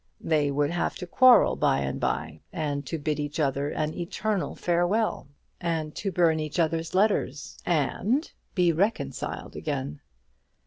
They would have to quarrel by and by, and to bid each other an eternal farewell, and to burn each other's letters, and be reconciled again.